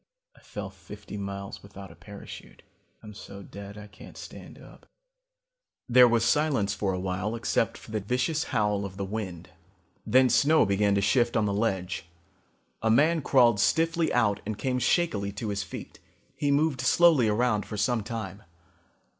I fell fifty miles without a parachute. I'm dead so I can't stand up." There was silence for a while except for the vicious howl of the wind. Then snow began to shift on the ledge. A man crawled stiffly out and came shakily to his feet. He moved slowly around for some time.